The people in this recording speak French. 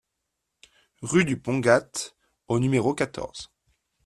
Rue du Pont Gate au numéro quatorze